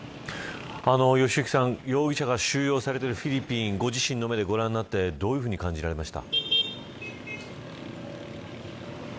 良幸さん、容疑者が収容されているフィリピンご自身の目でご覧になってどのように感じましたか。